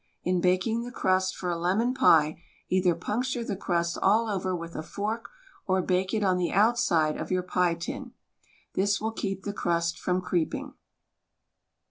In baking the crust for a lemon pie, either puncture the crust all over with a fork or bake it on the outside of your pie tin. This will keep the crust from creeping.